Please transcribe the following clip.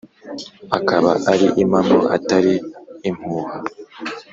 akaba ari impamo atari impuha